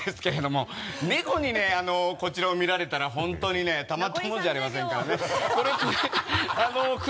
猫にねこちらを見られたら本当にねたまったものじゃありませんから残り３０秒。